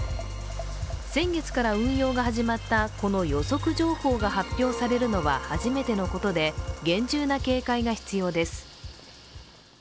先月から運用が始まったこの予測情報が発表されるのは初めてのことで厳重な警戒が必要です。